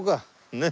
ねっ。